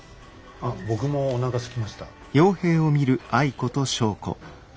あっ僕もおなかすきました。